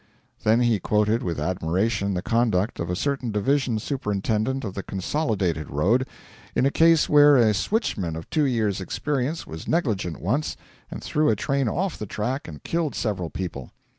Then he quoted with admiration the conduct of a certain division superintendent of the Consolidated road, in a case where a switchman of two years' experience was negligent once and threw a train off the track and killed several people.